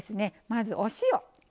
まずお塩。